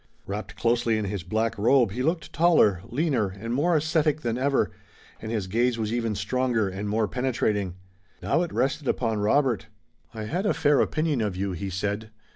Wrapped closely in his black robe he looked taller, leaner, and more ascetic than ever, and his gaze was even stronger and more penetrating. Now it rested upon Robert. "I had a fair opinion of you," he said.